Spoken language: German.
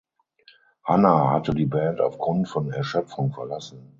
Hannah hatte die Band aufgrund von Erschöpfung verlassen.